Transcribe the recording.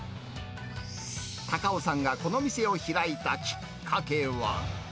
太夫さんがこの店を開いたきっかけは？